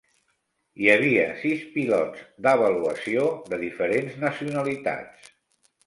Hi havia sis pilots d'avaluació de diferents nacionalitats.